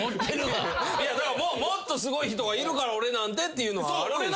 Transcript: もっとすごい人がいるから俺なんてっていうのはある。